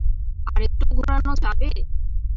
আরেকটু ঘোরানো যাবে?